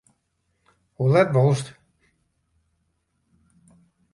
Hoe let wolst?